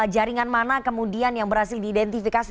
jaringan mana kemudian yang berhasil diidentifikasi